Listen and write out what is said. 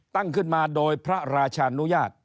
ตั้งขึ้นมาโดยพระราชานุญาต